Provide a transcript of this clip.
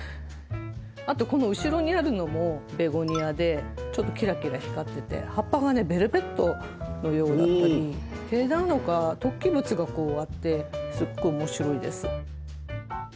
あと、この後ろにあるのもベゴニアで、ちょっとキラキラ光ってて、葉っぱがねベルベットのようだったり毛なのか突起物が、こうあってすごく面白いです。